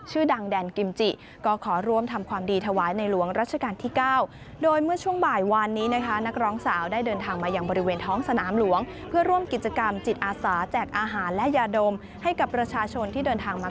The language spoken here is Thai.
ชื่อดังแดนกิมจิก็ขอร่วมทำความดีทะวายในหลวงราชการที่๙